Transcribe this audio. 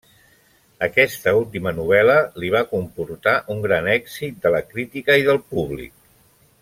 Aquesta última novel·la li va comportar un gran èxit de la crítica i del públic.